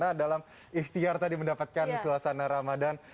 nah dalam ikhtiar tadi mendapatkan suasana ramadhan